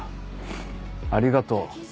ありがとう。